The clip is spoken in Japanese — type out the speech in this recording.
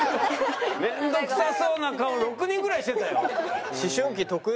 面倒くさそうな顔６人ぐらいしてたよ。